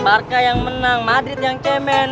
barca yang menang madrid yang cemen